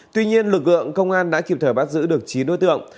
tuy nhiên lực lượng công an đã kịp thời bắt giữ được chín đối tượng